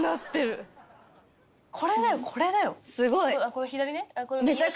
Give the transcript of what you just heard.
これ左ね。